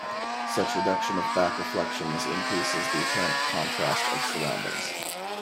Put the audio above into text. Such reduction of back reflections increases the apparent contrast of surroundings.